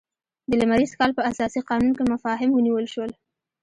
د لمریز کال په اساسي قانون کې مفاهیم ونیول شول.